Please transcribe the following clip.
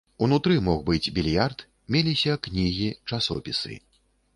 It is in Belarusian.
Унутры мог быць більярд, меліся кнігі, часопісы.